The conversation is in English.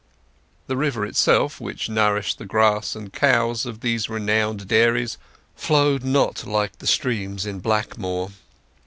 The river itself, which nourished the grass and cows of these renowned dairies, flowed not like the streams in Blackmoor.